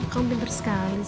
kamu pinter sekali sih sayang